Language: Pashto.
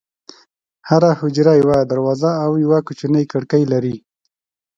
هره حجره یوه دروازه او یوه کوچنۍ کړکۍ لري.